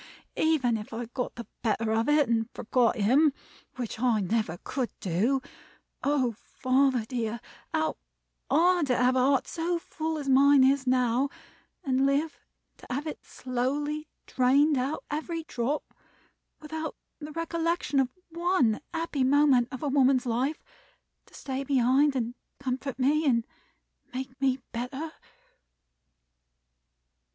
Even if I got the better of it, and forgot him (which I never could), oh, father dear, how hard to have a heart so full as mine is now, and live to have it slowly drained out every drop, without the recollection of one happy moment of a woman's life, to stay behind and comfort me, and make me better!"